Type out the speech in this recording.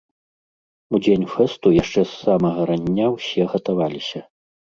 У дзень фэсту яшчэ з самага рання ўсе гатаваліся.